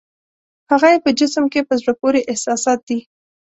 هغه یې په جسم کې په زړه پورې احساسات دي.